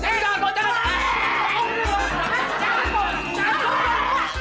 jangan mel morals